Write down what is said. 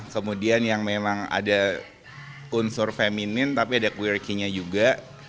kemudian yang memang ada unsur feminin tapi ada quir key nya juga